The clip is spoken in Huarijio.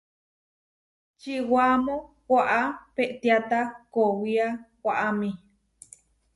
Čiwaamó waʼá peʼtiáta kowiá waʼámi.